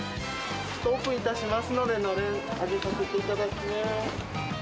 オープンいたしますので、のれん、あげさせていただきますね。